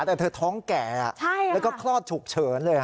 แต่เธอท้องแก่แล้วก็คลอดฉุกเฉินเลย